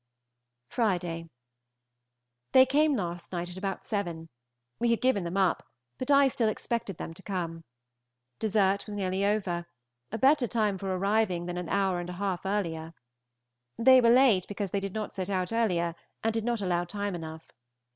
Friday. They came last night at about seven. We had given them up, but I still expected them to come. Dessert was nearly over; a better time for arriving than an hour and a half earlier. They were late because they did not set out earlier, and did not allow time enough.